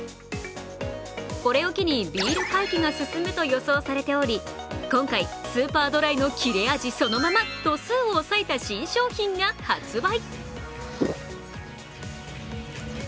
これを機にビール回帰が進むと予想されており今回、スーパードライの切れ味そのまま度数を抑えた新商品が発売。